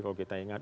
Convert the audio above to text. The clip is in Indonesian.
kalau kita ingat